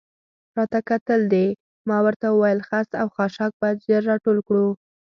راته کتل دې؟ ما ورته وویل: خس او خاشاک باید ژر را ټول کړو.